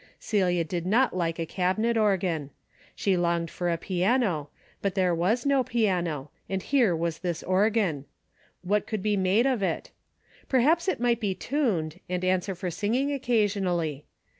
Celia did not like a cabinet organ. She longed for a piano, but there was no piano, and here was this organ. What could be made of it ? Perhaps it might be tuned and answer for singing occasionally.